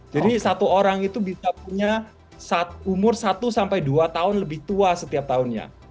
jadi satu orang itu bisa punya umur satu sampai dua tahun lebih tua setiap tahunnya